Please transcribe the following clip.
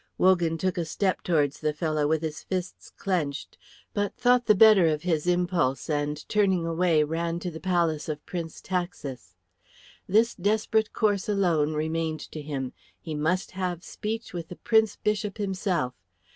Wogan took a step towards the fellow with his fists clenched, but thought the better of his impulse, and turning away ran to the palace of Prince Taxis. This desperate course alone remained to him; he must have speech with the Prince bishop himself.